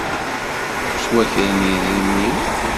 Ttwakren yedrimen-iw.